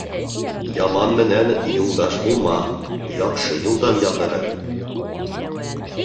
Яман менән юлдаш булма: яҡшы юлдан яҙҙырыр.